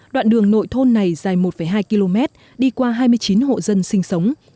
đoạn đường nội thôn này dài một hai km đi qua hai mươi chín hộ dân sinh sống